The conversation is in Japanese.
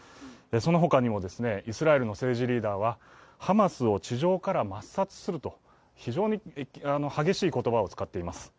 その他にもイスラエルの政治リーダーはハマスを地上から抹殺すると、非常に激しい言葉を使っています。